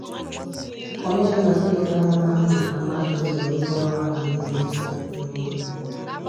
Kọmishọna steeti ahụ na-ahụ maka mgbasa ozi na ịkọwara ọhanaeze ihe ha kwèsiri ịma